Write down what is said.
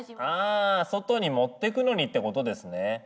あ外に持ってくのにってことですね。